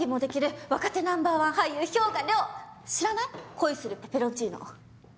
「恋するペペロンチーノ」。